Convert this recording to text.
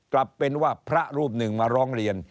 กลับเป็นว่าพระรูปหนึ่งมาร้องเรียน